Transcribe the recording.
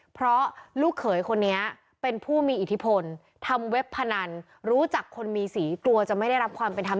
เพราะลูกเขยคนนี้เป็นผู้มีอิทธิพลทำเว็บพนันรู้จักคนมีสีกลัวจะไม่ได้รับความเป็นธรรม